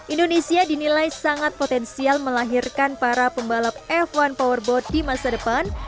indonesia dinilai sangat potensial melahirkan para pembalap f satu powerboat di masa depan